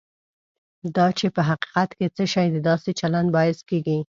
دا چې په حقیقت کې څه شی د داسې چلند باعث کېږي.